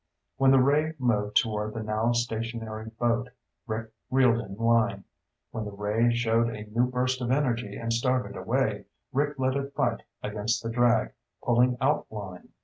When the ray moved toward the now stationary boat, Rick reeled in line. When the ray showed a new burst of energy and started away, Rick let it fight against the drag, pulling out line.